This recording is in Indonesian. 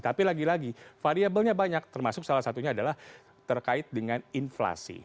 tapi lagi lagi variabelnya banyak termasuk salah satunya adalah terkait dengan inflasi